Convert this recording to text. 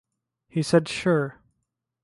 He said sure.